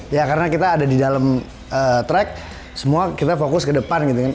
ya karena kita ada di dalam track semua kita fokus ke depan gitu kan